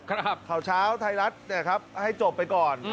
ข่าวเช้าไทยรัฐเนี่ยครับให้จบไปก่อน